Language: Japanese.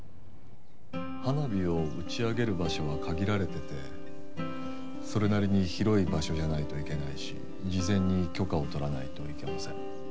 花火を打ち上げる場所は限られててそれなりに広い場所じゃないといけないし事前に許可を取らないといけません。